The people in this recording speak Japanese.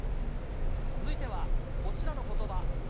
続いてはこちらのことば。